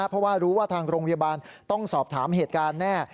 เพราะว่ารู้ว่าทางโรงพยาบาลต้องสอบถามเหตุการณ์แน่